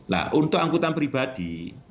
nah untuk angkutan pribadi